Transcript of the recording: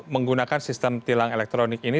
menggunakan sistem tilang elektronik ini